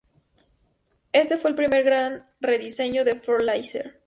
Este fue el primer gran rediseño del Ford Laser.